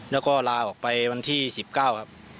แล้วก็ลาออกไปวันที่๑๙ครับ